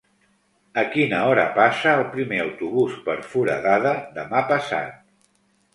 A quina hora passa el primer autobús per Foradada demà passat?